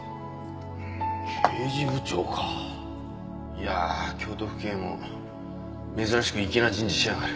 いやあ京都府警も珍しく粋な人事しやがる。